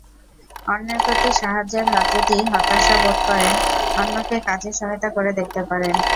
অন্যের প্রতি সাহায্যের হাতযদি হতাশা বোধ করেন, অন্যকে কাজে সহায়তা করে দেখতে পারেন।